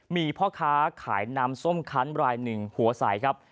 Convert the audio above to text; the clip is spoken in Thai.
มีพ่อค้าขายน้ำส้มคันรายหนึ่งหัวใสครับ